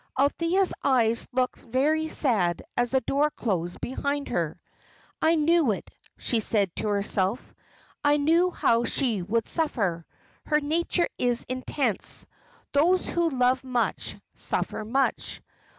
Althea's eyes looked very sad as the door closed behind her. "I knew it," she said to herself. "I knew how she would suffer. Her nature is intense. Those who love much, suffer much.